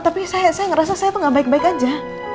tapi saya ngerasa saya tuh gak baik baik aja